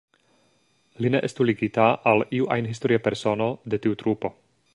Li ne estu ligita al iu ajn historia persono de tiu trupo.